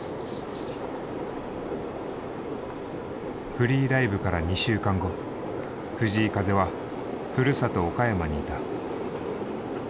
「“Ｆｒｅｅ”Ｌｉｖｅ」から２週間後藤井風はふるさと岡山にいた。